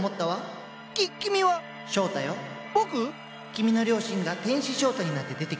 君の良心が天使翔太になって出てきたのよ。